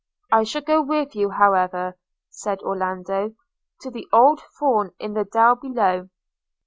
– 'I shall go with you, however,' said Orlando, 'to the old thorn in the dell below.'